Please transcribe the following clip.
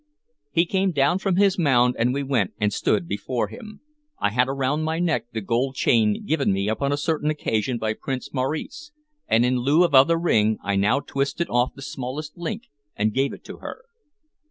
He came down from his mound, and we went and stood before him. I had around my neck the gold chain given me upon a certain occasion by Prince Maurice, and in lieu of other ring I now twisted off the smallest link and gave it to her.